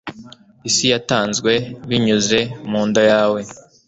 isi yatanzwe binyuze mu nda yawe